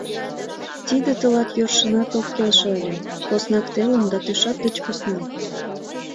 — Тиде тылат йӧршынат ок келше ыле, поснак телым да тӧшак деч посна.